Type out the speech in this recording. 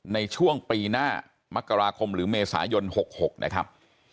ในช่วงปีหน้ามกราคมหรือเมษายน๖๖นะครับ